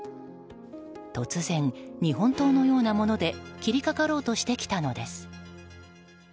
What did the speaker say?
突然、日本刀のようなもので切りかかろうとしてきたのです。